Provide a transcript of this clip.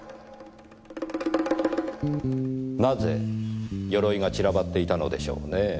なぜ鎧が散らばっていたのでしょうねぇ。